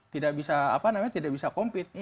tidak bisa apa namanya tidak bisa compete